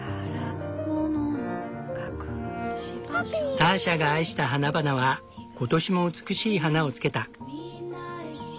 ターシャが愛した花々は今年も美しい花をつけた。